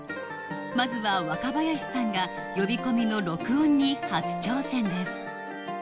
まずは若林さんが呼び込みの録音に初挑戦です